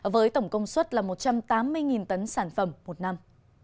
với tổng công suất là một trăm tám mươi tấn sản phẩm một năm